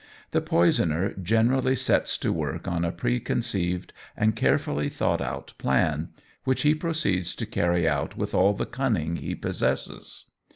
The poisoner generally sets to work on a preconceived and carefully thought out plan, which he proceeds to carry out with all the cunning he possesses.